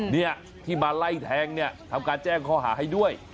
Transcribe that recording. เนี่ยที่มาไล่แทงเนี่ยทำการแจ้งข้อหาให้ด้วย